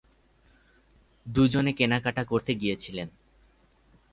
দুজনে কেনাকাটা করতে গিয়েছিলেন।